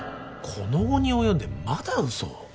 この期に及んでまだ嘘を。